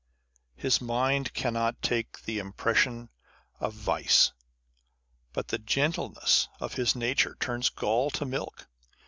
His mind cannot take the impression of vice : but the gentleness of his nature turns gall to milk.